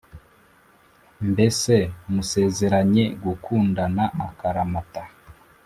mbese musezeranye gukundana akaramata